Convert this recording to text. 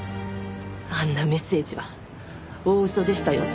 あんなメッセージは大嘘でしたよって。